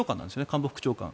官房副長官。